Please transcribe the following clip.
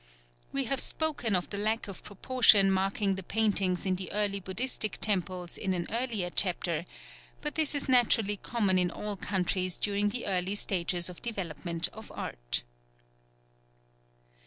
We have spoken of the lack of proportion marking the paintings in the early Buddhistic temples in an earlier chapter, but this is naturally common in all countries during the early stages of development of art.